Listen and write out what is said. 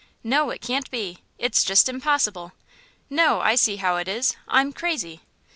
No; it can't be! It's just impossible! No; I see how it is. I'm crazy!